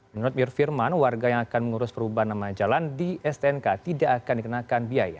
menurut mir firman warga yang akan mengurus perubahan nama jalan di stnk tidak akan dikenakan biaya